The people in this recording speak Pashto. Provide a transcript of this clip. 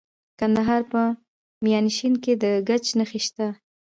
د کندهار په میانشین کې د ګچ نښې شته.